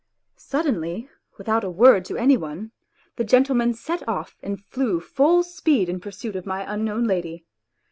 Suddenly, without a word to any one, the gentleman set off and flew full speed in pursuit of my unknown lady.